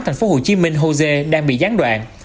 tp hcm hosea đang bị gián đoạn